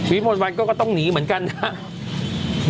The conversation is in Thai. วิมวลวันก็ต้องหนีเหมือนกันนะฮะ